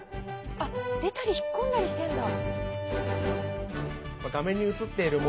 あっ出たり引っ込んだりしてるんだ。